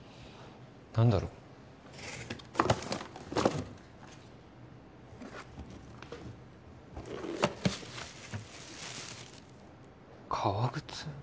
何だろう革靴？